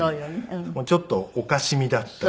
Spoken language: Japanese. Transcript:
ちょっとおかしみだったり。